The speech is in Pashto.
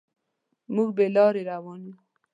موږ بې لارې روان یو.